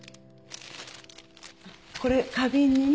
これ花瓶にね。